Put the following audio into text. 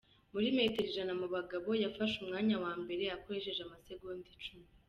Muri metero ijana mu bagabo, yafashe umwanya wa mbere akoresheje amasegonda icumi